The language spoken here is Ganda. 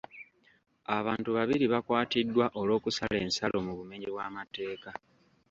Abantu babiri bakwatiddwa olw'okusala ensalo mu bumenyi bw'amateeka.